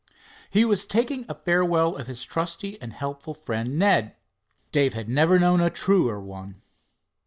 He was taking a farewell of his trusty and helpful friend, Ned. Dave had never known a truer one.